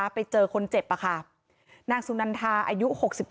ไปเจอคนเจ็บนางสุนันทาอายุ๖๒